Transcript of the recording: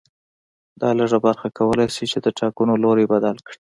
دا لږه برخه کولای شي چې د ټاکنو لوری بدل کړي